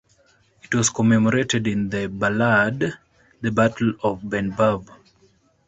It was commemorated in the ballad "The Battle of Benburb".